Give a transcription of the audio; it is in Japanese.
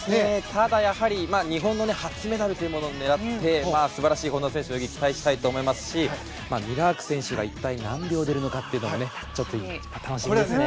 ただやはり日本の初メダルを狙って素晴らしい本多選手の泳ぎ期待したいと思いますしミラーク選手が一体、何秒出るのかちょっと楽しみですね。